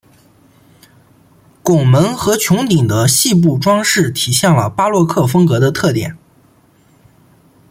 拱门和穹顶的细部装饰体现了巴洛克风格的特点。